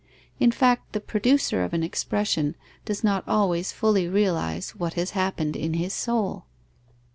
In fact, the producer of an expression does not always fully realize what has happened in his soul.